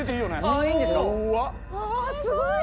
あぁすごい。